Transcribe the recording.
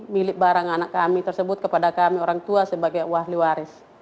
milik barang anak kami tersebut kepada kami orang tua sebagai ahli waris